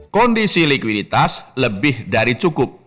kondisi likuiditas lebih dari cukup